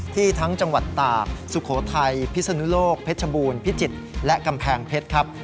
ทั้งจังหวัดตากสุโขทัยพิศนุโลกเพชรบูรณพิจิตรและกำแพงเพชรครับ